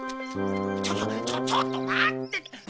ちょっとちょっと待って。